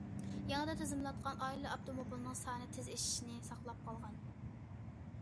يېڭىدىن تىزىملاتقان ئائىلە ئاپتوموبىلنىڭ سانى تېز ئېشىشنى ساقلاپ قالغان.